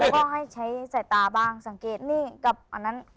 ก็ให้ใช้สายตาบ้างสังเกตนี่กับอันนั้น